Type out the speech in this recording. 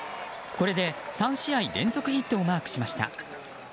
これで３試合連続ヒットをマークしました。